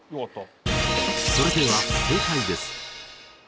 それでは正解です。